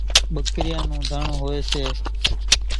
ٻڪريان نون ڌڻ هوئيَ سي۔